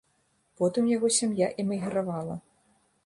Потым яго сям'я эмігравала.